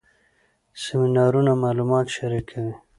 سیمینارونه معلومات شریکوي